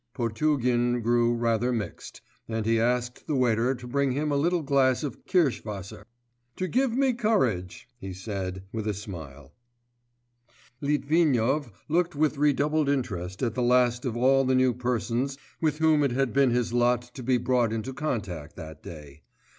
Potugin grew rather mixed, and he asked the waiter to bring him a little glass of kirsch wasser. 'To give me courage,' he added with a smile. Litvinov looked with redoubled interest at the last of all the new persons with whom it had been his lot to be brought into contact that day.